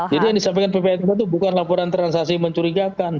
yang disampaikan ppatk itu bukan laporan transaksi mencurigakan